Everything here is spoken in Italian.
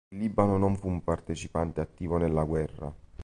Il Libano non fu un partecipante attivo nella guerra.